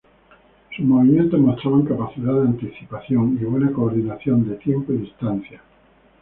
Sus movimientos mostraban capacidad de anticipo y buena coordinación de tiempo y distancia.